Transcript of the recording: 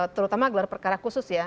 terutama gelar perkara khusus ya